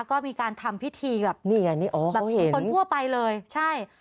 ก็มีการทำพิธีแบบนี่อันนี้อ๋อเขาเห็นแบบผีคนทั่วไปเลยใช่